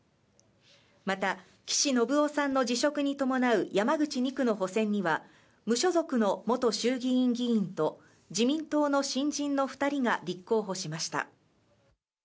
また、岸信夫さんの辞職に伴う山口２区の補選には、無所属の元衆議院議員と自民党の新人の２人が立候補しました。